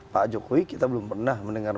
pak jokowi kita belum pernah mendengar